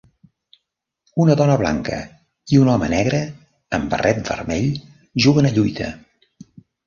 Una dona blanca i un home negre amb barret vermell juguen a lluita.